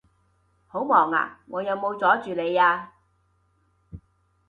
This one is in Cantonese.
好忙呀？我有冇阻住你呀？